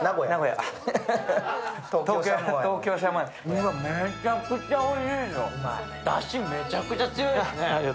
うわっ、めちゃくちゃおいしいですよ、だし、めちゃくちゃ強いですね。